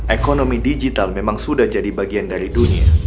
ekonomi digital memang sudah jadi bagian dari dunia